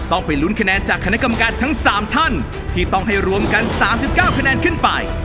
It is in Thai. ต้องไปลุ้นคะแนนจากคณะกรรมการทั้งสามท่านที่ต้องให้รวมกันสามสิบเก้าคะแนนขึ้นไป